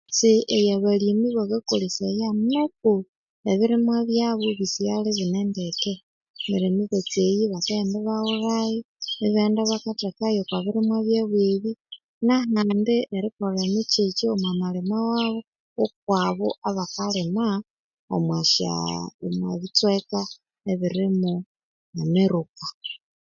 Emibatsi eyabalimi bakakolesaya niko ebirimwa byabo bisighale ibinendeke neri ebibatseyi bakavhenda ibaghulhayo ibaghenda bakathekayo okwa birimwa byabo nahandi erikolha emikyikyi omwa malima wabo okwabo abamalima omwashaa abakalima okwameruka